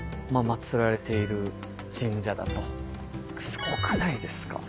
すごくないですか？